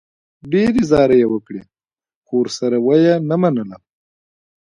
ډېرې زارۍ یې وکړې، خو ورسره و یې نه منله.